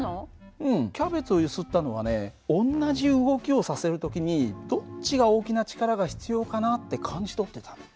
うんキャベツを揺すったのはね同じ動きをさせる時にどっちが大きな力が必要かなって感じ取ってたの。